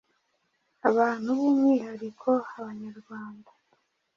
abantu by’umwihariko Abanyarwanda,